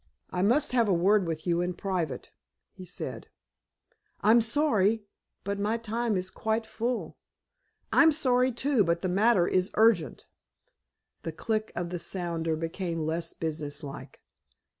"I must have a word with you in private," he said. "I'm sorry—but my time is quite full." "I'm sorry, too, but the matter is urgent." The click of the sounder became less businesslike.